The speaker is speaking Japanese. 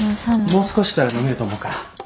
もう少ししたら飲めると思うから。